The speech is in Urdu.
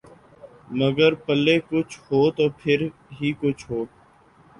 مگر پلے کچھ ہو تو پھر ہی کچھ ہو۔